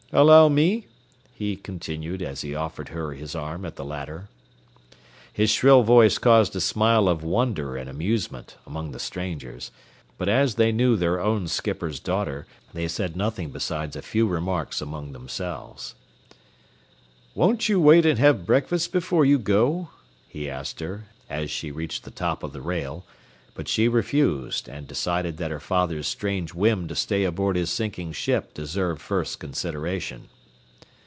"Allow me?" he continued, as he offered her his arm at the ladder. His shrill voice caused a smile of wonder and amusement among the strangers, but as they knew their own skipper's daughter, they said nothing besides a few remarks among themselves. "Won't you wait and have breakfast before you go," he asked her, as she reached the top of the rail; but she refused, and decided that her father's strange whim to stay aboard his sinking ship deserved first consideration.